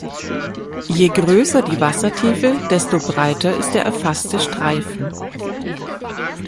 Je größer die Wassertiefe, desto breiter ist der erfasste Streifen.